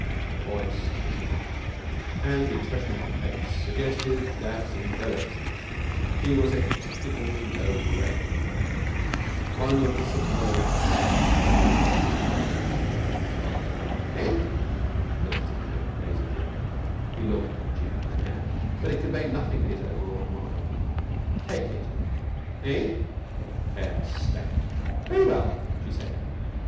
Her voice was hard, and the expression on her face suggested that in her estimation he was a particularly low grade worm, one of the submerged tenth of the worm world. 'Eh?' said Mr Pickering, dazedly. He looked at what she had in her hand, but it conveyed nothing to his overwrought mind. 'Take it!' 'Eh?' Claire stamped. 'Very well,' she said.